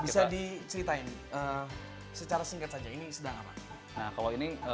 bisa diceritain secara singkat aja ini sedang apa